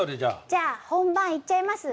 じゃあ本番いっちゃいます？